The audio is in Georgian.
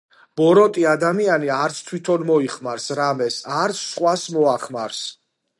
ბოროტი ადამიანი არც თვითონ მოიხმარს რამეს, არც სხვას მოახმარს